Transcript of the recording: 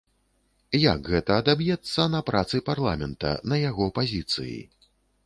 Як гэта адаб'ецца на працы парламента, на яго пазіцыі?